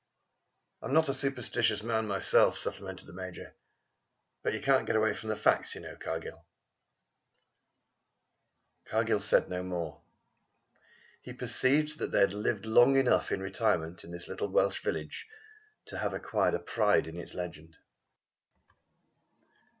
"I am not a superstitious man myself," supplemented the Major. "But you can't get away from the facts, you know, Cargill." Cargill said no more. He perceived that they had lived long enough in retirement in the little Welsh village to have acquired a pride in its legend.